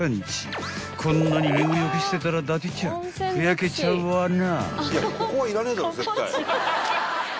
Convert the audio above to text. ［こんなに入浴してたら伊達ちゃんふやけちゃうわな］